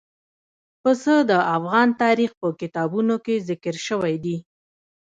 پسه د افغان تاریخ په کتابونو کې ذکر شوی دي.